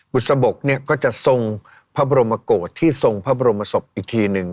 บุตรสะบบก็จะทรงพระบรมโกตที่ทรงพระบรมศพอีกทีหนึ่ง